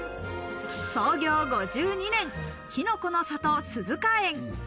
創業５２年「きのこの里鈴加園」。